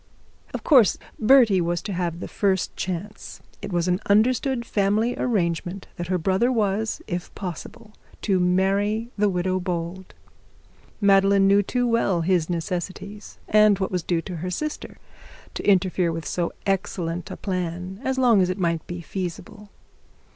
Of course Bertie was to have the first chance. It was an understood family arrangement that her brother was, if possible, to marry the widow Bold. Madeline knew too well the necessities and what was due to her sister to interfere with so excellent a plan, as long as it might be feasible.